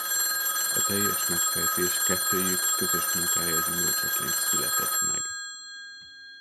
A teljes megfejtés kettőjük közös munkája gyümölcseként született meg.